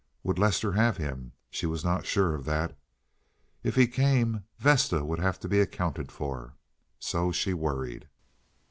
Would Lester have him—she was not sure of that. If he came Vesta would have to be accounted for. So she worried.